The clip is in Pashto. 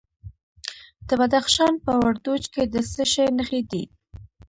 د بدخشان په وردوج کې د څه شي نښې دي؟